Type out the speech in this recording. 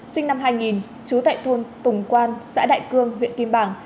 sinh năm hai nghìn trú tại thôn tùng quan xã đại cương huyện kim bảng